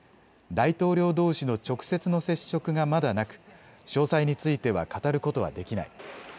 大統領どうしの直接の接触がまだなく詳細については語ることはできない。